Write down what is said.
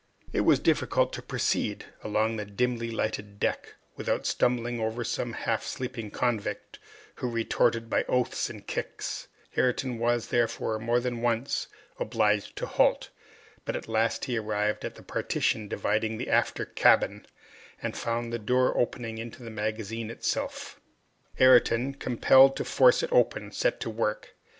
It was difficult to proceed along the dimly lighted deck without stumbling over some half sleeping convict, who retorted by oaths and kicks. Ayrton was, therefore, more than once obliged to halt. But at last he arrived at the partition dividing the aftercabin, and found the door opening into the magazine itself. Ayrton, compelled to force it open, set to work.